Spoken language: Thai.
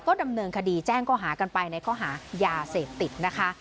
ดำเนินคดีแจ้งข้อหากันไปในข้อหายาเสพติดนะคะ